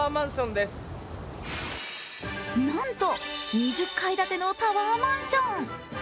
なんと、２０階建てのタワーマンション。